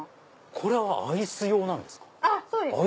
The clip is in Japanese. これはアイス用なんですか？